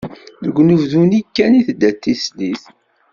Deg unebdu-nni kan tedda d tislit.